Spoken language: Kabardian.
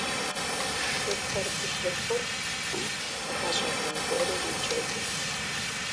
Шырхэр блы хъурт, гъэщӀэгъуэн гуэрури джэгурт.